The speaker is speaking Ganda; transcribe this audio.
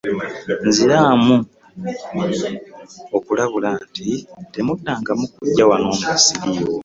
Nziramu okulabula nti temuddangamu okujja wano nga ssiriiwo.